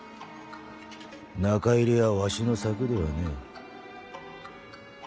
中入りはわしの策ではねえ。